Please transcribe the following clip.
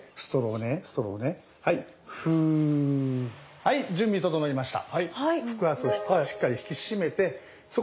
はい準備整いました！